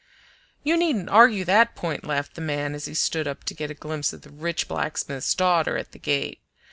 "You needn't argue that point," laughed the man, as he stood up to get a glimpse of the "rich blacksmith's daughter" at the gate.